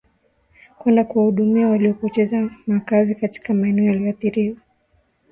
kwenda kuwahudumia waliopoteza makazi katika maeneo yaliyoathiriwa